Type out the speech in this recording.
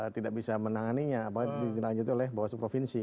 tidak bisa menanganinya apakah di lanjuti oleh bawaslu provinsi